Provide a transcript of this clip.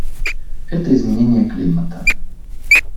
Это изменение климата.